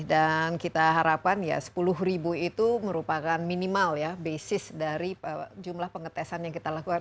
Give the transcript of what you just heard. dan kita harapkan ya sepuluh ribu itu merupakan minimal ya basis dari jumlah pengetesan yang kita lakukan